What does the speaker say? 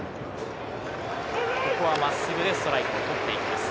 ここは真っすぐでストライクを取っていきます。